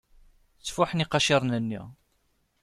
Ttfuḥen iqaciren-nni.